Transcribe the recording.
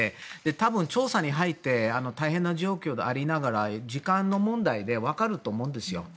多分、調査に入って大変な状況でありながら時間の問題で分かると思うんですよ。